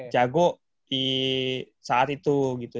jago di saat itu